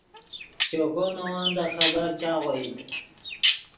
چوکو نے ون دے خبر چاغوئیت